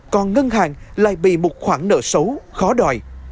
còn ngân hàng lại bị một khoản nợ xấu khó đòi